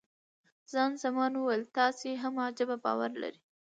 خان زمان وویل، تاسې هم عجبه باور لرئ.